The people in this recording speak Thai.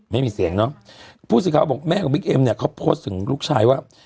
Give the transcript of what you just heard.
ไม่มีเสียงเนอะผู้สื่อข่าวบอกแม่ของบิ๊กเอ็มเนี่ยเขาโพสต์ถึงลูกชายว่า